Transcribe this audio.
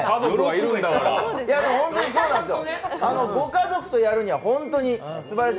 ご家族とやるには本当にすばらしい。